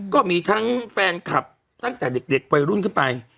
ก็มีทั้งแฟนคลับตั้งแต่เด็กวัยรุ่นขึ้นไป